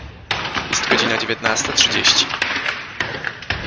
Jest godzina dziewiętnasta trzydzieści.